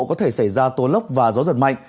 có thể xảy ra tố lốc và gió giật mạnh